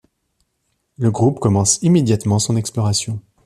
Le groupe commence immédiatement son exploration.